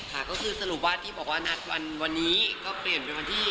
ค่ะก็คือสรุปว่าที่บอกว่านัดวันนี้ก็เปลี่ยนเป็นวันที่